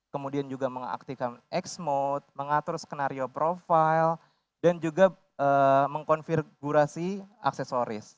kemudian juga mengaktifkan x mode mengatur skenario profile dan juga mengkonfigurasi aksesoris